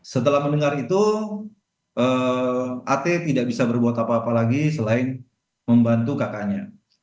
setelah mendengar itu at tidak bisa berbuat apa apa lagi selain membantu kakaknya